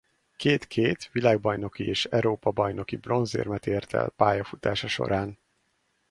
Két-két világbajnoki és Európa-bajnoki bronzérmet ért el pályafutása során.